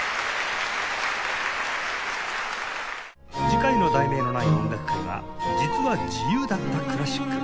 次回の『題名のない音楽会』は「実は自由だったクラシック！